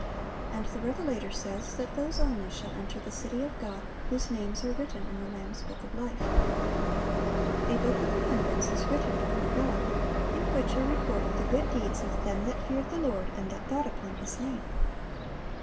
And the revelator says that those only shall enter the city of God whose names "are written in the Lamb's book of life."(842) "A book of remembrance" is written before God, in which are recorded the good deeds of "them that feared the Lord, and that thought upon His name."